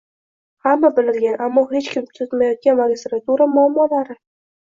Hamma biladigan, ammo hech kim tuzatmayotgan magistratura muammolari